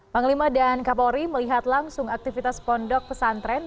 panglima dan kapolri melihat langsung aktivitas pondok pesantren